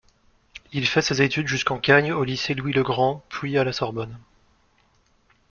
Il fait ses études jusqu’en khâgne au lycée Louis-le-Grand, puis à la Sorbonne.